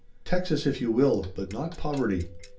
"Texas, if you will, but not poverty.